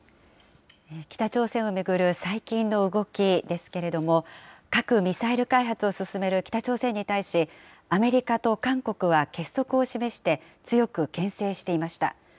北朝鮮を巡る最近の動きですけれども、核・ミサイル開発を進める北朝鮮に対し、アメリカと韓国は結束を示して強くけん制していました。